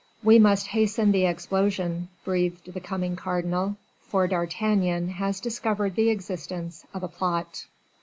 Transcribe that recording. "We must hasten the explosion," breathed the coming cardinal, "for D'Artagnan has discovered the existence of a plot."